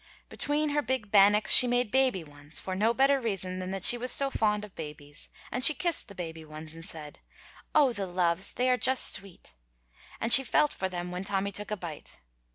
Between her big bannocks she made baby ones, for no better reason than that she was so fond of babies, and she kissed the baby ones and said, "Oh, the loves, they are just sweet!" and she felt for them when Tommy took a bite.